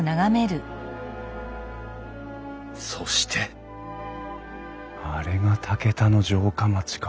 そしてあれが竹田の城下町か。